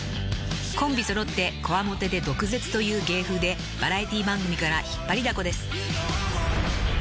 ［コンビ揃ってこわもてで毒舌という芸風でバラエティー番組から引っ張りだこです］